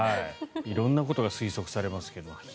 色んなことが推測されますけど。